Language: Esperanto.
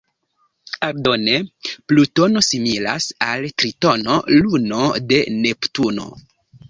Aldone, Plutono similas al Tritono, luno de Neptuno.